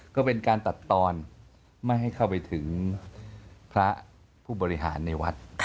ก็เป็นการตัดตอนไม่ให้เข้าไปถึงพระผู้บริหารในวัด